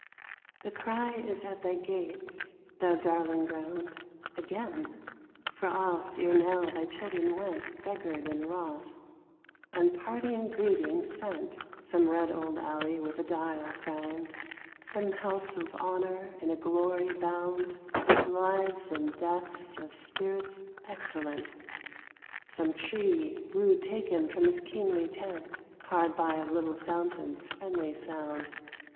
The cry is at thy gates, thou darling ground, Again; for oft ere now thy children went Beggared and wroth, and parting greeting sent Some red old alley with a dial crowned; Some house of honour, in a glory bound With lives and deaths of spirits excellent; Some tree, rude taken from his kingly tent, Hard by a little fountain's friendly sound.